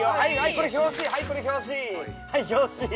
これ表紙、はい、これ表紙。